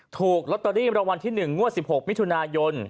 ถูกลอตเตอรี่รางวัลที่๑งวด๑๖มิถุนายน